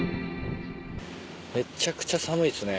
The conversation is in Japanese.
めちゃくちゃ寒いっすね。